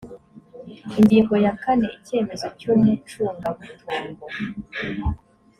ingingo ya kane icyemezo cy umucungamutungo